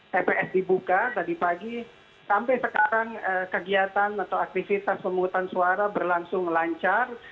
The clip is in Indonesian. tps dibuka tadi pagi sampai sekarang kegiatan atau aktivitas pemungutan suara berlangsung lancar